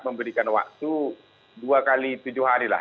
memberikan waktu dua x tujuh hari lah